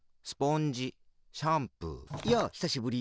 やあひさしぶり。